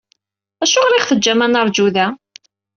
Acuɣer i aɣ-teǧǧam ad neṛju da?